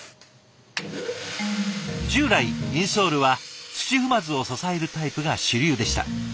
従来インソールは土踏まずを支えるタイプが主流でした。